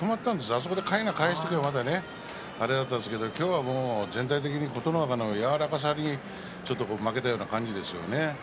あそこでかいなを返しておけばあれだったんですけど今日は全体的に琴ノ若の柔らかさにちょっと負けたような感じですよね。